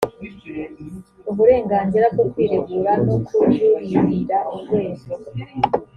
uburenganira bwo kwiregura no kujuririra urwego